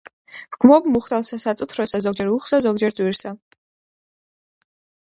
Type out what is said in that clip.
ვჰგმობ მუხთალსა საწუთროსა, ზოგჯერ უხვსა, ზოგჯერ ძვირსა